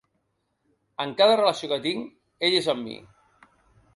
En cada relació que tinc, ell és amb mi.